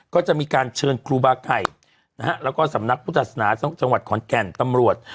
ก็จะมีการเชิญครูบาไก่นะฮะแล้วก็สำนักพุทธศาสนาจังหวัดขอนแก่นตำรวจ